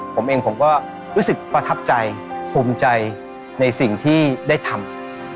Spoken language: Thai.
ผมเองผมก็รู้สึกประทับใจภูมิใจในสิ่งที่ได้ทำ